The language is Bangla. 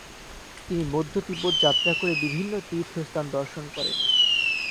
তিনি মধ্য তিব্বত যাত্রা করে বিভিন্ন তীর্থস্থান দর্শন করেন।